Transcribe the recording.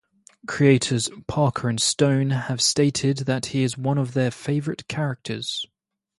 Creators Parker and Stone have stated that he is one of their favorite characters.